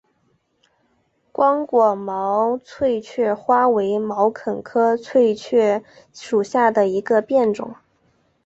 光果毛翠雀花为毛茛科翠雀属下的一个变种。